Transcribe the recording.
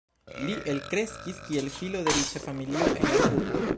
Li elkreskis kiel filo de riĉa familio en Erfurto.